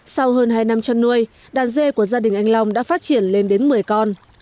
sau hơn hai năm chăn nuôi đàn dê của gia đình anh long đã phát triển lên đến một mươi con